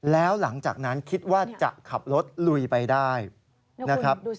แล้วหลังจากนั้นคิดว่าจะขับรถลุยไปได้นะครับ